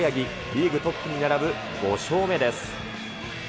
リーグトップに並ぶ５勝目です。